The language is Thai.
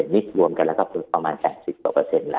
มิตรรวมกันแล้วก็ประมาณ๘๐แล้ว